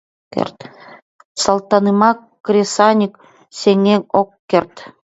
Салтакымак кресаньык сеҥен ок керт.